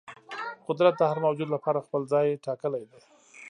قدرت د هر موجود لپاره خپل ځای ټاکلی دی.